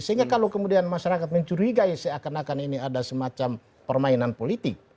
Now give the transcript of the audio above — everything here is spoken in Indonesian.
sehingga kalau kemudian masyarakat mencurigai seakan akan ini ada semacam permainan politik